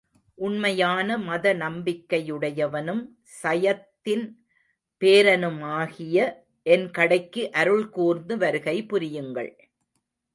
உண்மையான மத நம்பிக்கையுடையவனும், சையத்தின் பேரனுமாகிய என் கடைக்கு அருள் கூர்ந்து வருகை புரியுங்கள்.